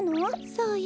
そうよ。